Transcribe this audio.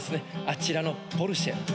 あちらのポルシェ。